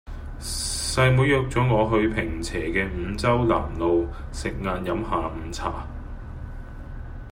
細妹約左我去坪輋嘅五洲南路食晏飲下午茶